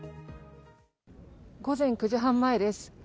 午前９時半前です。